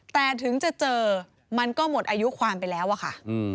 แต่ถึงจะเจอมันก็หมดอายุความไปแล้วอะค่ะ